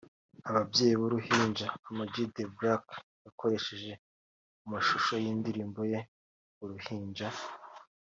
Ababyeyi b’uruhinja Ama G The Black yakoresheje mu mashusho y’indirimbo ye uruhinja